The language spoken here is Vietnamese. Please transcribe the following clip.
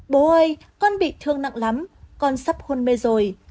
bố ơi con bị thương nặng lắm con sắp khôn mê rồi